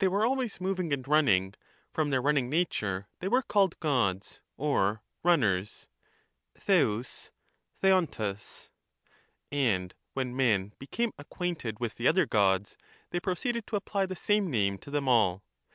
were always movmg and runnmg, from theu: runnmg nature they were running called Gods or runners (Oeov^, Otovrag); and when men be about they came acquainted with the other Gods, they proceeded to apply 9^0, , the same name to them all.